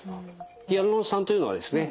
ヒアルロン酸というのはですね